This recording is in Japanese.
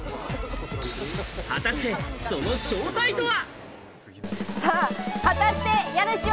果たしてその正体とは？